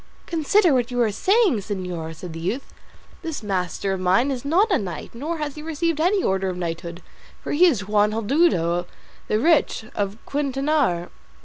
"Consider what you are saying, señor," said the youth; "this master of mine is not a knight, nor has he received any order of knighthood; for he is Juan Haldudo the Rich, of Quintanar."